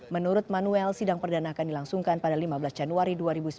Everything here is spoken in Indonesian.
menurut manuel sidang perdana akan dilangsungkan pada lima belas januari dua ribu sembilan belas